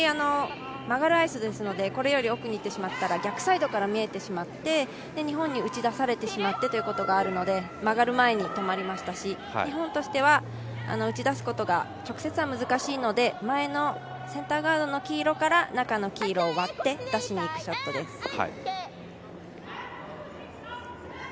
曲がるアイスですので、これより奥に行ってしまったら逆サイドから見えてしまって、日本に打ち出されてしまってということがありますので曲がる前に止まりましたし、日本としては打ち出すことが直接は難しいので前のセンターガードの黄色から中の黄色を割って出しに行くショットです。